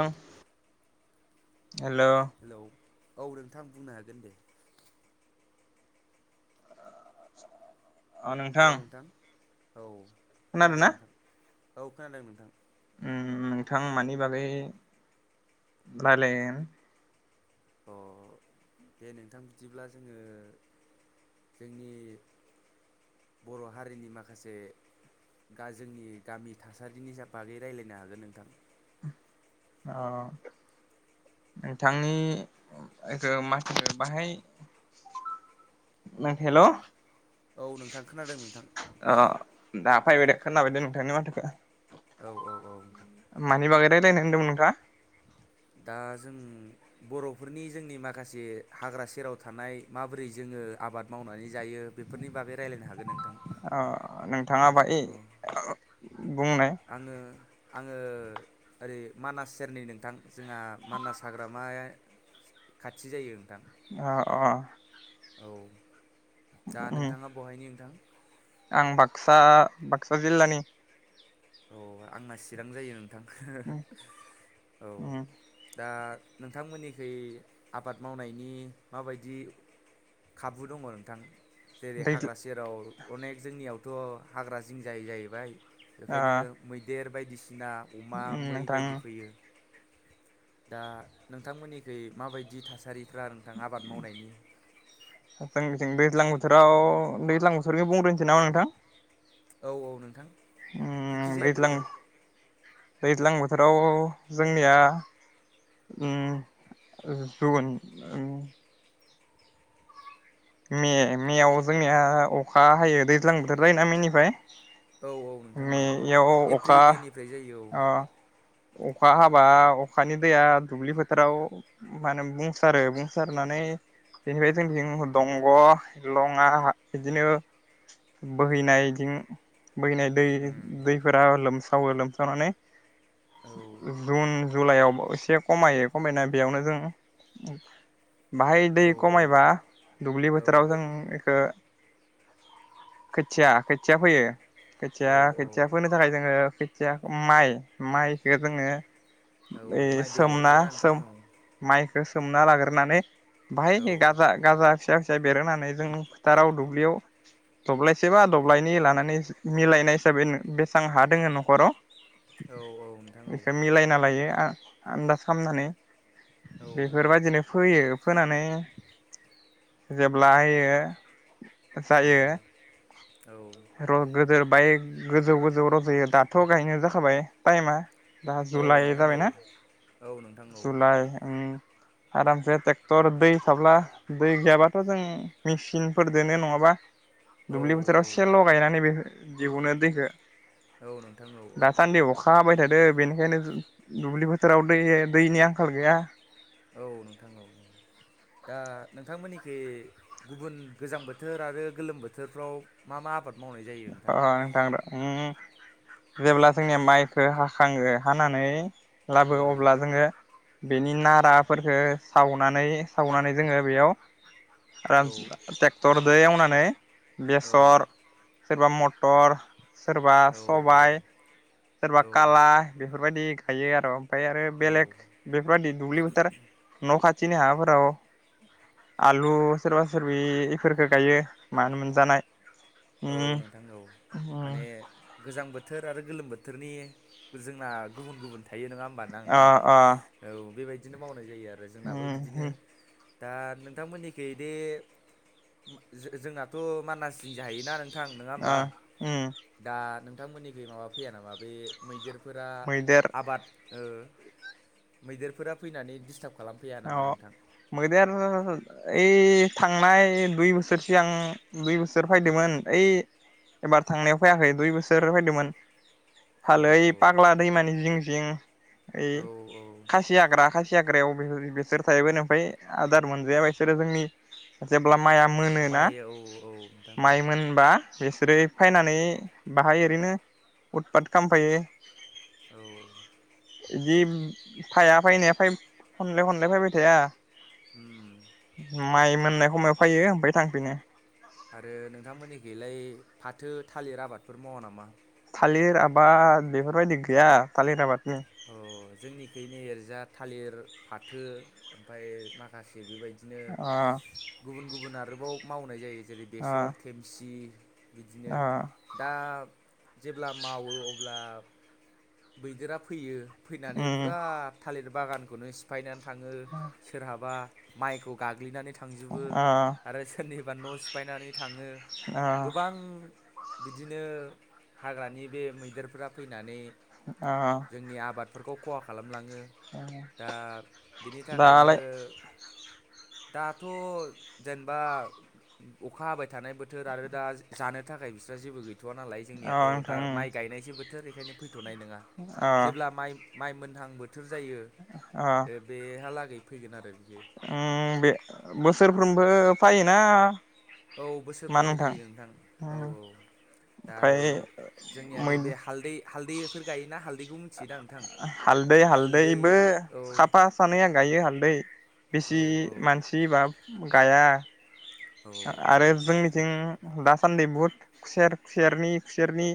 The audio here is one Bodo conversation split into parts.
हा हेलौ हेलौ औ नोंथां बुंनो हागोन दे। औ हेल' नोंथां औ खोनादों नोंथां औ खोनादों नोंथां उम नोंथां मानि बागै रायलायगोन। अ दे नोंथां बिदिब्ला जोङो जोंनि बर' हारिनि माखासे जोंनि गामि थासारिनि बागै राय्लायनो हागोन नोंथां? अ नोंथांनि [unintelligible] बाहाय हेल' औ नोंथां खोनादों नोंथां अ दा फाइबाइदे खोनाबायदे नोंथांनि माथोखौ औ औ औथां मानि बागै रायलायनो होनदोंमोन नोंथाङा? दा जों बर'फोरनि जोंनि माखासे हाग्रा सेराव थानाय माबोरै जोङो आबाद मावनानै जायो बेफोरनि बागै रायजलायनो हागोन नोंथां नोंथाङा बाय अ आङो आङो ओरै मानास सेरनि नोंथां। जोंहा मानास हाग्रामाया खाथि जायो नोंथां। अ अ औ दा उम नोंथाङा बहायनि नोंथां? आं बाक्सा बाक्सा जिल्लानि अ आंना चिरां जायो उम औ उम दा नोंथांमोननिखै आबाद मावनायनि माबायदि खाबु दङ नोंथां? जेरै दै हाग्रा ओ सेराव अनेक जोंनियाव थ' हाग्रा जिं जायो जाहैबाय ओंखायनो मैदेर बायदि सिना अमा उम मै नोंथां बायदि फैयो दा नोंथांमोननिखै माबायदि थासारि? फ्रा नोंथां आबाद मावनायनि जोंनिथिं दैज्लां बोथोराव दैज्लां बोथोरनि बुंग्रोनोसै नामा नोंथां? औ औ नोंथां उम जेखिजाया दैज्लां बोथोर दैज्लां बोथोराव जोंनिया उम जगुन उम मे मेयाव जोंनिया अखा हायो दैज्लां बोथोर जाय ना मेनिफ्राय औ औ नोंथां औ मेयाव अखा एप्रिल मेनिफ्राय जायो औ ओ अखा हाबा अखानि दैया दुब्लि फोथाराव माहोनो बुंसारो बुंसारनानै बेनिफ्राय जोंनिथिं दंग' लङा बिदिनो बोहैनायदिं बैनाय दै उम दैफोरा लोम थावै लोमजानानै औ जुन जुलाइयाव एसे खमायो खमायनाय बेयावनो जों बाहाय दै औ खमायबा दुब्लि बोथोराव जों औ बेखौ खोथिया खोथिया फैयो औ खोथिया औ खोथिया फोनो थाखाय जोङो खथिया माइ माइखौ जोङो औ ए माइ बेगरखौ सोमना ना नोंथां सोम औ माइखौ सोमना लाग्रोनानै औ भाय गाजा गाजा खोथिया बेरहोनानै जों फोथाराव दुब्लियाव दब्लायसे बा दब्लायनै लानानै मिलायनाय हिसाबै बेसेबां हा दोङो न'खराव औ औ नोंथां औ बेखौ मिलायना लायो आ आन्दाज खालामनानै औ बेफोरबायदिनो फोयो फोनानै जेब्लाहयो जायो र गोदोर बमाय गोजौ गोजौ रज'यो दाथ' गायनाय जाखाबाय टायेमा दा औ जुलाइ नोंथां औ जाबायना औ नोंथां औ नोंथां औ जुलाइ उम आरामसे ट्रेक्टर दै थाब्ला दै गैयाबाथ' जों मेचिनफोरदोनो नङाबा औ दुब्लि बोथोराव सेल' गायनानै बे जिहुननो दैेखो दाासान्दि अखा हाबाय थादों दों बेनिखायनो दुब्लि बोथोराव दै दैनि आंखाल गैया औ नोंथां औ दा नोंथांमोननिखि गुबुन गोजां बोथोर आरो गोलोम बोथोरफ्राव मा मा आबाद मावनाय जायो अ' नोंथां र उम जेब्ला जोंनिया माइखो हाखाङो हानानै लाबो औ अब्ला जोङो बेनि नाराफोरफोरखौ सावनानै सावनानै जोङो बेयाव औ ट्रेक्टरदो एउनानै ओम्फाय औ बेसर मटर सोरबा औ सबाय सोरबा औ काला बेफोरबायदि गायो आरो ओमफ्राय आरो औ बेलेग बेफोरबायदि दुब्लि बोथोर न' खाथि खािनि हाफोराव आलु सोरबा सोरबि बेफोरखौ गायो मानो मोनजानाय औ उम नोंथां औ उम माने गोजां बोथ बोथोर आरो गोलोम बोथोरनि जोंना गुबुन गुबुन थायो नङा होमबा ना अ नोंथां? अ औ बेबायदि [unintelligible] नाय जायो आरो, जोंनाबो उम बिदिनो। उम दा नोंथांमोननिखैदि जों जोंनाथ' मानास। गायोना नों नोंथां नङा होमबा अ उम दा नों नोंथांमोननिखै माबा फैया नामा बे मैदेर बेफोरा मैदेर आबाद। मैदेरफोरा फैनानै डिस्टार्ब। औ मैदेर ओइ थांनाय दुइ बोसोरसो आं दुइ बोसोर फैदोंमोन ओइ एबार थांनायाव फैयाखै दुइ बोसोर फैदोंमोन। औ फालोै औ फाग्ला दैमानि जिं जिं ओइ औ औ खासि हाग्रा खासि हाग्रा। हायाव बिसोर थायोबाय ओमफ्राय आदार मोनजाया बिसोरो जोंनि। माइआ मोनोना माइ औ औ नोंथां माइ मोनबा। बिसोरो फैनानै बाहाय ओरैनो उदपात खालामफायो। औ इदि फाया फैनाय फाय खनले खन थलाय फैबाय थाया। उम [inaudible] माइ मोननाय समाव फैयो ओमफ्राय थांफिनो। आरो नोंथांमोननिखि बेलाय फाथो थालिर आबादफोर मावा नामा? थालिर आबाद बेफोरबायदि गैया थालिर आबाद। अ जोंनिखनो एरजा। थालिर फाथो ओमफफ्राय माखासे बेबायदि। बिदिनो ओ गुबुन गुबुन आरोबाव। मावनाय जायो। जेरै ओ बेसर थेमसि। बिदिनो ओ दा जेब्ला मावो अब्ला मैदेरा। फैयो फैनानै उम फुरा थालिर बागानखौनो सिफायनानै। थाङो सोरहाबा माइखौ गाग्लिनानै थ थांजोबो ओ आरो सोरनिबा बा न' सिफायनानै थाङो ओ गोबां बिदिनो हाग्रानि बे मैदेरफोरा फैनानै अ जोंनि आबादफोरखौ खहा खालाम लाङो दा बिनि थाखायनो दालाय दाथ' जेनेबा अखा हाबाय थानाय बोथोर आरो दा जानो थाखाय बिस्रा जेबो गैथ वा नालाय अ जोंनियाथ' दा नोंथां माइ गायनायसो बो- थो बेखायनो फै थुनाय नङा अ जेब्ला माइ माइ मोनहां बो थोर जायो बे बेहालागै फैगोन आरो बियो अम बे बोसोरफ्रोमबो फायोना औ बोसोरफ्रामबो फैयो नोंथां औ औ ओमफ्राय दा आरो जोंनिया मै नैबे हालदै हालदैफोर गायोना हालदैखौ मिथियोदा नोंथां हालदै हालदै हालदैबो औ साफा सानै गायो हालदै। औ बेसि औ मानसि बा- गाया औ आरो जोंनिथिं दासान्दि बहुद खुसेर खुसेरनि-खुसेरनि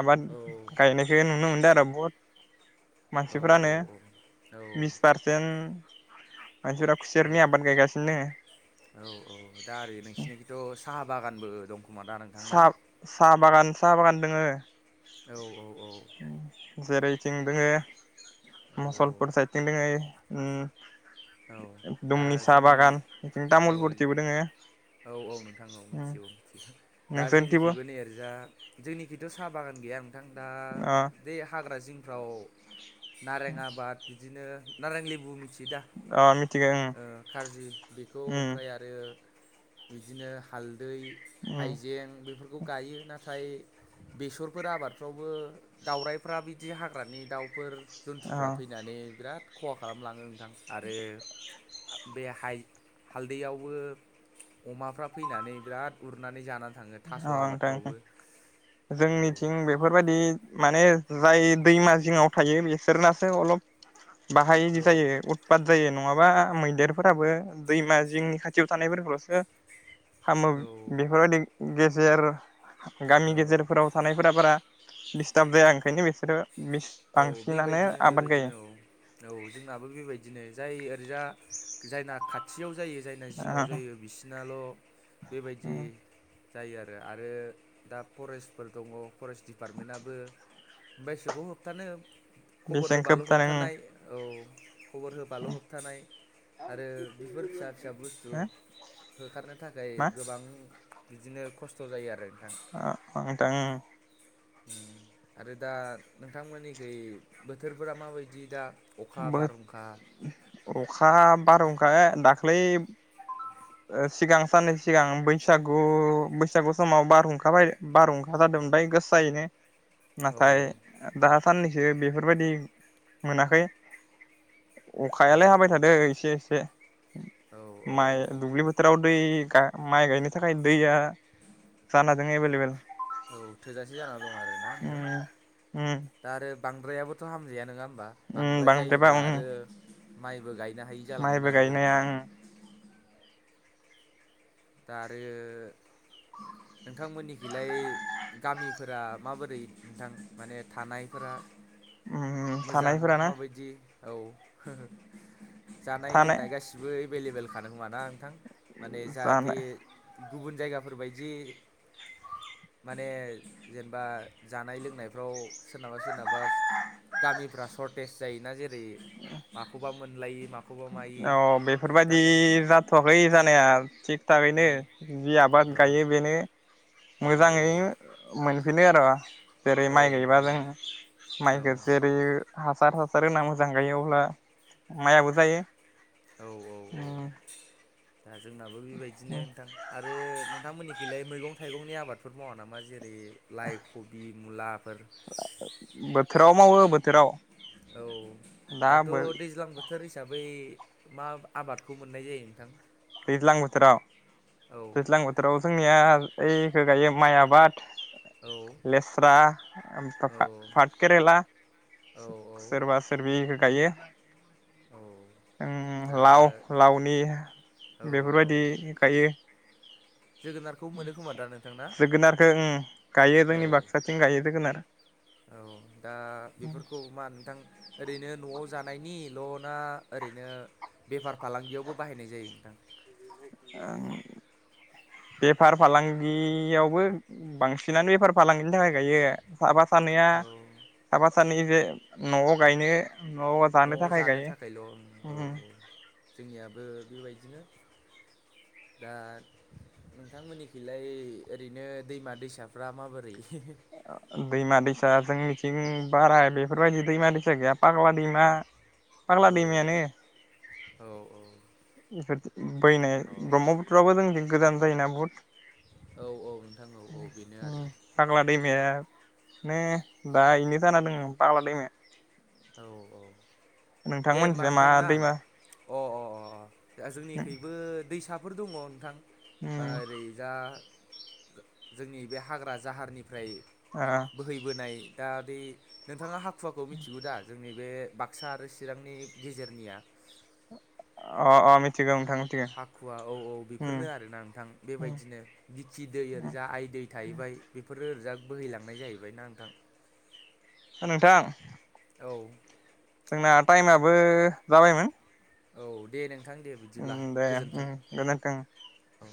आबाद औ गायनायखौ नुनो मोनदों [unintelligible] मानसिफ्रानो औ बिस पारसेन्ट [inaudible] मानसिफोरा औ खुसेरनि आबाद गायगासिनो दोङो औ औ दा आरो नोंसिोरनिखिथ' साहा बागानबो दं खोमा दा नोंथां ना साहा-साहा बागान साहा बागान दोङो। औ -औ -औ- जेरैथिं औ दोङो- मुसलपुर सायथिं दोंओ उ औ दा जोंनि बिथिं औ तामुलपुरथिबो दोङो औ औ नोंथां औ उम मिथिगौ मिथिग दा नोंसोरनिथिंबो जोंनिखिबो नैरैजा जोंनिखिथ' साहा बागान गैया नोंथां दा अ बे हाग्राज औ नारें आबाद बिदिनो नारां लेबु मिथियो दा? अ मिथिगो ओं ओ खारजि बेखौ उम ओमफ्राय आरो बिदिनो हाल दै उम हाइजें बे बेखौ गायो नाथाय बेसरफोर आबादफ्रावबो दाउराइफ्रा बिदि हाग्रानि दाउफोर अ जन्थुफ्रा फैनानै बिराद खहा खालामलाङो नोंथाङ। आरो बे हाय हालदैआवबो अमाफ्रा फैनानै बिराद उरनानै जानानै थाङो थास' औ आंथां आबादफ्रावबो औ जोंनिथिं बेफोरबायदि माने जाय दैमा जिङाव थायो बिसोरनासो अलप बाहाय इदि औ जायो उतपात जायो नङाबा मैदेरफोराबो दैमा जिंनि खाथियाव थानायफोरखौलसो खामो औ बेफोरबायदि गेेजेर गामि औ गेजेरफोराव थानायफोरा बारा दिडिस्टार्ब जाया ओंखायनो बिसोरो औ बांसिनानो बेबायदिनो आबाद गायो बेबायदिनो औ औ जोंनाबो बेबायदिनो जायो। जा जायना खाथि खायाव जायो जायना जिङआव जायो बिसिनाल' बेबायदि जायो आरो आरो दा फरेस्टफोर दङ फरेस्ट दिडिपार्टमेन्टाबबो बायसोखौ हो दानो खबर बेसेबां खोब होबाल' जादों होबथानाय औ खबर होबाल' होबथानाय आरो बेफोर फिसा फिसा बुस्थु होखारनो थाखाय मा गोबां बिदिनो खस्थ' जायो आरो नोंथां आ नोंथां। आरो दा नोंथांमोननिखै बोथोरफोरा माबायदि दा? अखा बो बारहुंखा अखा बारहुंखा दाख्लै सिगां साननै सिगां बैसागु बैसागु समाव बारहुंखा बाय बारहुंखा जादोंमोनफ्राय गोसायैनो। औ नाथाय दासाननैसो बे फोरबायदि मोनाखै। औ अखायालाय हाबाय थादो एसे एसे औ औ माइ बोथोराव दै माइ गायनो थाखाय दैया जानाजों एभेलेबेल। औ थोजासे जानानानै दं आरोना नोंथां? उम उम दा आरो बांद्रायाबोथ' हामजाया नोङा होम बा? उम बांद्राय बांद्रायबा जायोब्ला उम आरो माइबो गायनो हायि माइबो जालांगोन गायनाया आरोबाव दा आरो नोंथांमोननिखैलाय गामिफोरा माबोरै नोंथां माने थानायफोरा मोजां थानायफोर ना? माबायदि औ जानाय थानाय लोंनाय गासिबो एभेलेबलखा नोमा ना? नोंथां माने जा बे जानाय गुबुन जायगाफोरबायादि माने जेनेबा जानाय लोंनायफ्राव सोरनाबा सोरनाबा गामिफ्रा सर्टेज जायोना जेन माखौबा मोनल माखौबा मायो औ दा बेफोरबायदि नों थाखयैनो उम जि आबाद औ गायो बेनो औ औ मोजाङै मोनफिनो आरो। जेरै औ माइ गायबा नोंथां जों औ माइखौ जेरै सार हासार ना मोजां गायो अब्ला माइआबो जायो। औ औ औ उम दा जोंनाबो बेबायदिनो नोंथां आरो नोंथांमोननि खिलाय मैगं थाइगंनि आबादफोर मावा नामा जेरै जेरै लाइ, खबि। मुलाफोर बोथोराव मावो बोथोराव औ दा दाथ' दैज्लां बोथोर हिसाबै मा आबादखौ मोननाय जायो नोंथां? दैज्लां बोथोराव औ दैज्लां बोथोराव जोंनिया ओइखौ गायो माइ आबाद औ लेस्रा औ ओमफ्राय फाट केेरेला औ औ सोरबा सोरबि इखो गायो। औ उम दा लाव, लावनि औ औ बेफोरबायदि गायो। जोगोनारखौ मोनो खोमा दा नोंथां ना? जोगोनारखौ ओम गायो औ जोंनि बाक्साथिं गायो जोगोनार औ दा बेफोरखौ मा नोंथां ओरैनो नआव जानायनिल' ना ओरैनो बेफार फालांगियावबो बाहायनाय जायो नोंथां? ओ बेफार फालांगियावबो बांसिनानो बेफार फालांगिनि थाखाय गायो। साफा सानैया औ साफा सानैजो नआव गायनो नआव जानो थाखायल' औ औ ओम जोंनियाबो बेबाय दिनो दा नोंथांमोननिखैलाय ओरैनो दैमा दैसाफ्रा माबोरै? ओ दैमा दैसा जोंनिथिं बारा बेफोरबायदि दैमा दैसा गैया, फाग्ला दैमा औ फाग्ला दैमायानो बेफोर। फैनाय औ ब्रह्मपुत्रयाबो जोंनि गोजान जायोना बहुत। औ औ नोंथां औ औ बेनो आरो। उम [unintelligible] दा बेनो जाना दं फाग्ला दैमाया। औ औ। दे होमबा नोंथांमोनथिंजा मा नोंथां ना दैमा अ अ अ दा जोंनिखैबो दैसा फोर दङ नोंथां। बा उम ओरैजा जोंनि बे हाग्रा जाहारनिफ्राय ओ बोहैबोनाय दा दै नोंथाङा हा खुवाखौ मिथिगौ दा? नैबे बाक्सा आरो चिरांनि गेजेरनिया। अ अ मिथिगौ। मिथिगौ हाखुवा औ औ उम बेफोरनो आरोना नोंथां उम बेबायदिनो बिखि दै उम ओरैजा आइ दै थाहैबाय बेफोरनो ओरैजा। बोहैलांनाय जाहैबाय ना नोंथां। नोंथां औ जोंना टाइमाबो जाबायमोन औ दे नों उम दे उम गोजोनथों औ।